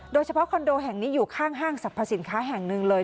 คอนโดแห่งนี้อยู่ข้างห้างสรรพสินค้าแห่งหนึ่งเลย